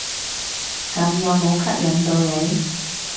咁有無吸引到你？